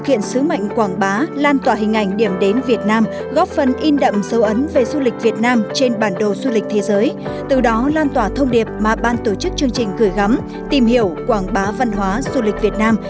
chương trình gửi gắm tìm hiểu quảng bá văn hóa du lịch việt nam